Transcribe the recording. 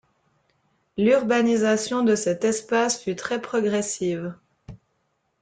L’urbanisation de cet espace fut très progressive.